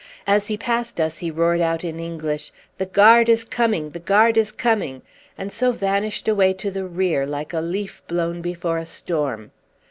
As he passed us he roared out in English, "The Guard is coming! The Guard is coming!" and so vanished away to the rear like a leaf blown before a storm.